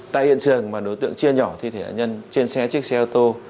tại hiện trường mà đối tượng chia nhỏ thi thể nạn nhân trên xe chiếc xe ô tô